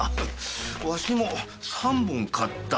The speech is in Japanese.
わしも三本買った。